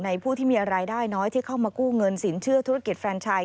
ผู้ที่มีรายได้น้อยที่เข้ามากู้เงินสินเชื่อธุรกิจแฟนชาย